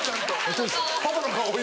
パパの顔今。